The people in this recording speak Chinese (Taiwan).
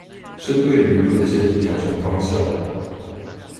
針對輿論建議調整方向